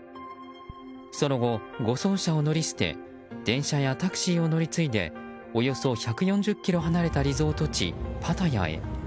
その後、護送車を乗り捨て電車やタクシーを乗り継いでおよそ１４０ｋｍ離れたリゾート地パタヤへ。